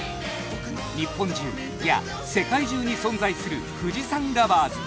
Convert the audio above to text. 日本中いや世界中に存在する富士山ＬＯＶＥＲＳ